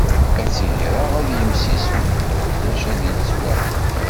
Ad tt-greɣ ad yimsismeḍ ma ulac ad tettwaɣ.